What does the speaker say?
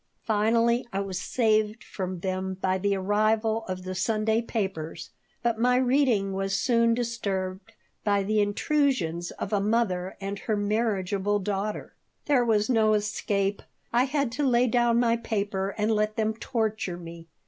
Finally I was saved from them by the arrival of the Sunday papers, but my reading was soon disturbed by the intrusions of a mother and her marriageable daughter. There was no escape. I had to lay down my paper and let them torture me.